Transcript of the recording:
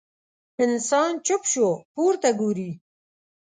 انسان چوپ شو، پورته ګوري.